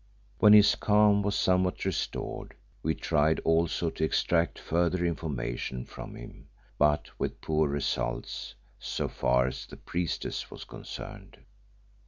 When his calm was somewhat restored we tried also to extract further information from him, but with poor results, so far as the priestess was concerned.